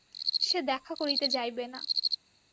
সে দেখা করিতে যাইবে না।